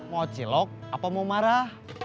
mau cilok apa mau marah